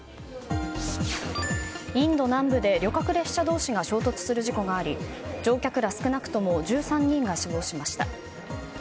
インド南部で旅客列車同士が衝突する事故があり乗客ら少なくとも１３人が死亡しました。